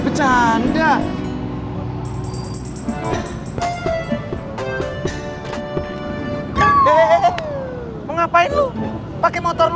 bercanda eh eh eh mengapain lu pakai motor lu aja